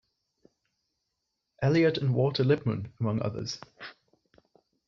Eliot and Walter Lippmann, among others.